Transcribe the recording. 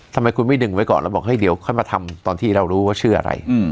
ทำไมคุณไม่ดึงไว้ก่อนแล้วบอกเฮ้ยเดี๋ยวค่อยมาทำตอนที่เรารู้ว่าชื่ออะไร